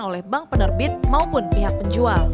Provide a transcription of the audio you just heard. oleh bank penerbit maupun pihak penjual